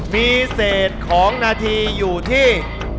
มีเศษของนาทีอยู่ที่